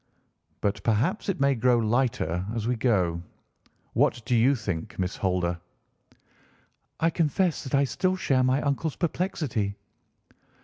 "But perhaps it may grow lighter as we go. What do you think, Miss Holder?" "I confess that I still share my uncle's perplexity."